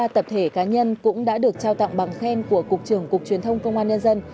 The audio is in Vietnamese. ba tập thể cá nhân cũng đã được trao tặng bằng khen của cục trưởng cục truyền thông công an nhân dân